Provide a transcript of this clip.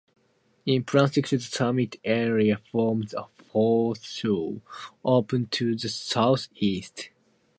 In plan section the summit area forms a horseshoe, open to the south east.